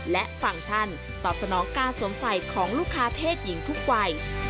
และฟังก์ชั่นตอบสนองการสวมใส่ของลูกค้าเพศหญิงทุกวัย